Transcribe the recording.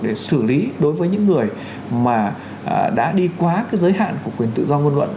để xử lý đối với những người mà đã đi quá cái giới hạn của quyền tự do ngôn luận